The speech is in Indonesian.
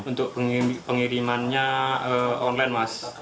untuk pengirimannya online mas